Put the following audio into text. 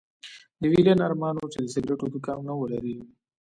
د ويلين ارمان و چې د سګرېټو دوکانونه ولري